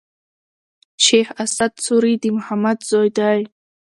شېخ اسعد سوري د محمد زوی دﺉ.